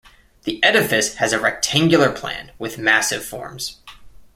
The edifice has a rectangular plan, with massive forms.